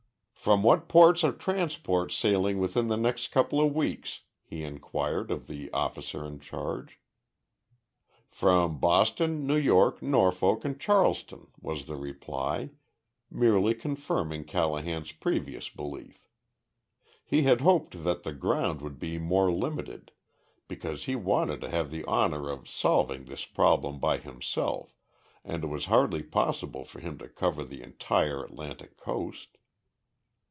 "From what ports are transports sailing within the next couple of weeks?" he inquired of the officer in charge. "From Boston, New York, Norfolk, and Charleston," was the reply merely confirming Callahan's previous belief. He had hoped that the ground would be more limited, because he wanted to have the honor of solving this problem by himself, and it was hardly possible for him to cover the entire Atlantic Coast.